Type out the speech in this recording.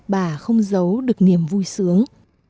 bà không giấu được niềm vui sướng